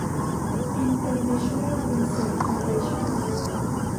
อินเตอร์เนชั่นแนล รีเสริช คอร์ปอเรชั่น